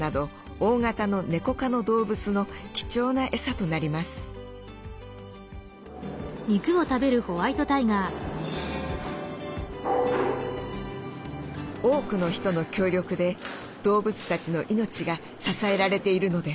多くの人の協力で動物たちの命が支えられているのです。